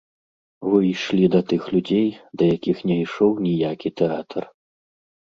Вы ішлі да тых людзей, да якіх не ішоў ніякі тэатр.